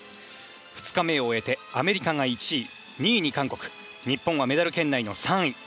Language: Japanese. ２日目を終えてアメリカが１位２位に韓国日本はメダル圏内の３位。